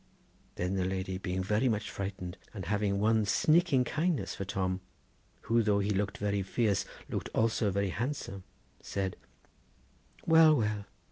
Then the lady being very much frightened, and having one sneaking kindness for Tom, who though he looked very fierce looked also very handsome, said: 'Well, well!